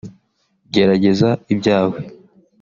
gerageza ibyawe